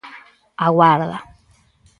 A Guarda.